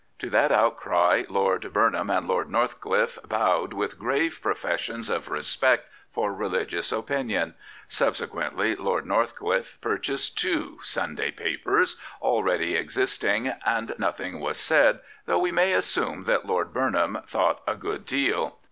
To that outcry Lord Burnham and Lord Northcliffe bowed with grave professions of respect for religious opinion. Subse quently Lord Nortli<;li£[e purchased two Sunday papers already existing, and nothing was said, though we may assume that Lord Burnham thought a good deal.